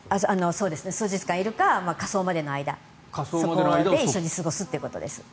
そうですね、数日間いるか火葬までの間そこで一緒に過ごすということです。